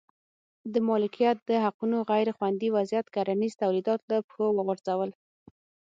د مالکیت د حقونو غیر خوندي وضعیت کرنیز تولیدات له پښو وغورځول.